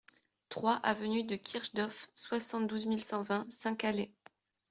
trois avenue de Kirch Dorf, soixante-douze mille cent vingt Saint-Calais